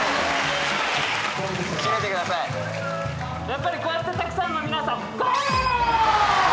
やっぱりこうやってたくさんの皆さん。